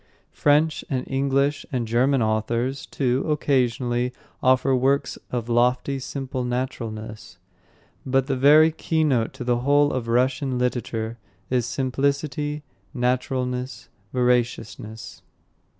French and English and German authors, too, occasionally, offer works of lofty, simple naturalness; but the very keynote to the whole of Russian literature is simplicity, naturalness, veraciousness.